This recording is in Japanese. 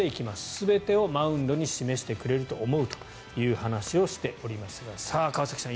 全てをマウンドに示してくれると思うと話していますがさあ、川崎さん